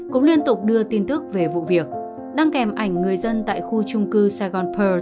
cũng liên tục đưa tin tức về vụ việc đăng kèm ảnh người dân tại khu chung cư saigon pearl